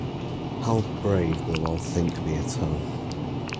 How brave they’ll all think me at home!